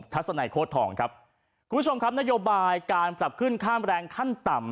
สนัยโค้ดทองครับคุณผู้ชมครับนโยบายการปรับขึ้นค่าแรงขั้นต่ำ